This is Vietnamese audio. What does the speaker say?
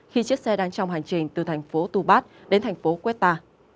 khi chiếc xe đang trong hành trình từ thành phố tubat đến thành phố queta